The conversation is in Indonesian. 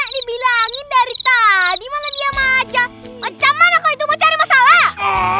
dibilangin dari tadi malah dia macam macam mana kau itu mau cari masalah